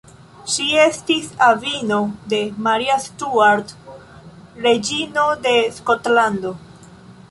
Ŝi estis avino de Maria Stuart, reĝino de Skotlando.